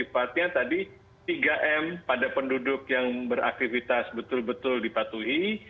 oleh kegiatan kegiatan yang sifatnya tadi tiga m pada penduduk yang beraktivitas betul betul dipatuhi